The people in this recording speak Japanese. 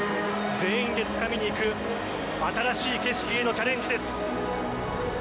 全員でつかみにいく新しい景色へのチャレンジです。